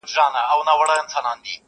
یوازي نوم دی چي پاته کیږي -